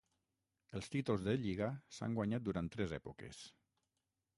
Els títols de lliga s'han guanyat durant tres èpoques.